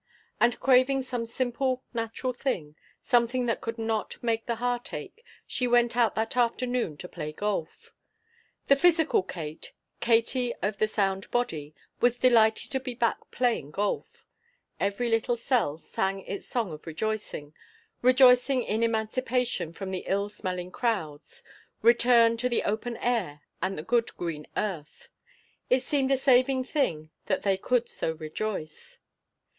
And craving some simple, natural thing, something that could not make the heart ache, she went out that afternoon to play golf. The physical Kate, Katie of the sound body, was delighted to be back playing golf. Every little cell sang its song of rejoicing rejoicing in emancipation from the ill smelling crowds, return to the open air and the good green earth. It seemed a saving thing that they could so rejoice.